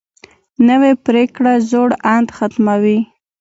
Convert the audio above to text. نوې پریکړه زوړ اند ختموي